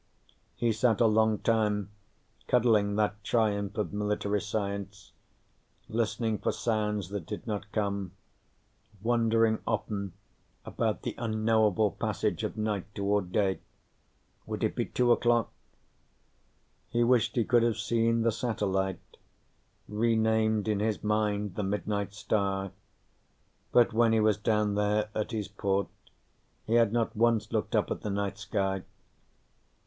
He sat a long time cuddling that triumph of military science, listening for sounds that did not come, wondering often about the unknowable passage of night toward day. Would it be two o'clock? He wished he could have seen the Satellite, renamed in his mind the Midnight Star, but when he was down there at his port, he had not once looked up at the night sky.